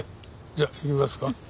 じゃあ行きますか。